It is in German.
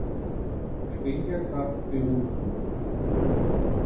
Spengler Cup berufen.